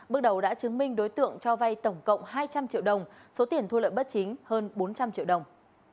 bước đầu đã chứng minh đối tượng cho vay tổng cộng hai trăm linh triệu đồng số tiền thu lợi bất chính hơn bốn trăm linh triệu đồng